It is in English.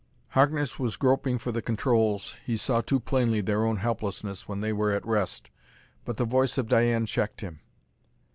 Harkness was groping for the controls he saw too plainly their own helplessness when they were at rest but the voice of Dianne checked him.